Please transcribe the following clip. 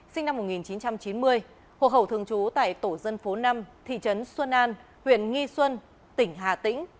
sinh năm một nghìn chín trăm chín mươi hồ hậu thường trú tại tổ dân phố năm thị trấn xuân an huyện nghi xuân tỉnh hà tĩnh